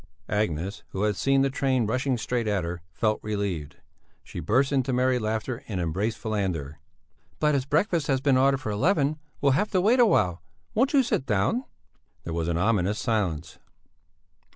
Agnes, who had seen the train rushing straight at her, felt relieved; she burst into merry laughter and embraced Falander. "But as breakfast has been ordered for eleven, we'll have to wait a while. Won't you sit down?" There was an ominous silence.